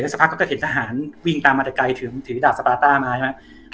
สักพักเขาก็เห็นทหารวิ่งตามมาแต่ไกลถือดาบสปาต้ามาใช่ไหม